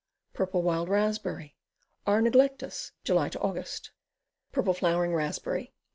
Purple Wild Raspberry. R. neglectus. July Aug. Purple flowering Raspberry.